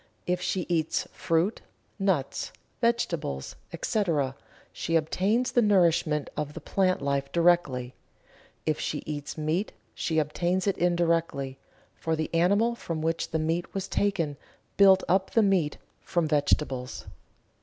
If she eats fruit, nuts, vegetables, etc., she obtains the nourishment of the plant life directly if she eats meat she obtains it indirectly, for the animal from which the meat was taken built up the meat from vegetables.